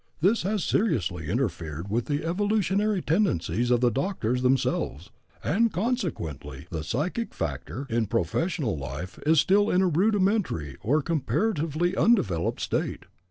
This has seriously interfered with the evolutionary tendencies of the doctors themselves, and consequently the psychic factor in professional life is still in a rudimentary or comparatively undeveloped state.